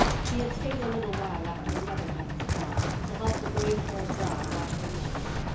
She had stayed a little while after the other guests had gone, to help the gray haired bride wash the dishes.